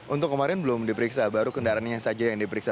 untuk kemarin belum diperiksa baru kendaraannya saja yang diperiksa